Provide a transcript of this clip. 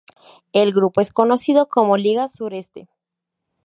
El grupo es conocido como "Liga Sureste".